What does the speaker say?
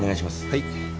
はい。